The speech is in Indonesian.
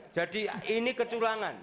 jadi ini kecurangan